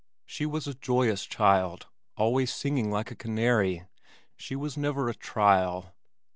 She was a joyous child, always singing like a canary. SHE was never a "trial."